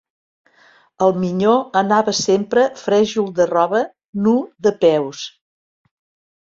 El minyó anava sempre frèjol de roba, nu de peus.